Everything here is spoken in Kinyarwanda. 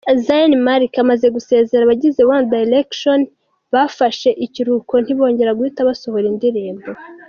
Zayn Malik amaze gusezera, abagize One Direction bafashe ikiruhuko ntibongera guhita basohora indirimbo.